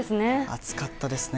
暑かったですね。